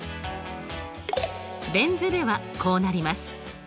ベン図ではこうなります。